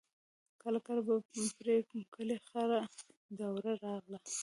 کله کله به پر کلي خړه دوړه راغله.